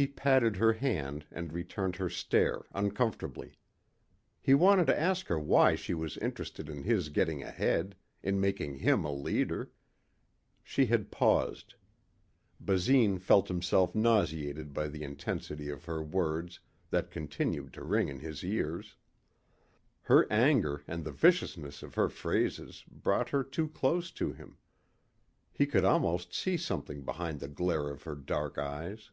He patted her hand and returned her stare uncomfortably. He wanted to ask her why she was interested in his getting ahead, in making him a leader. She had paused. Basine felt himself nauseated by the intensity of her words that continued to ring in his ears. Her anger and the viciousness of her phrases brought her too close to him. He could almost see something behind the glare of her dark eyes.